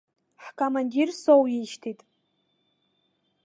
Ҳкомандир соуишьҭит.